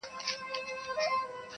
څپه څپه را ځه توپانه پر ما ښه لګیږي -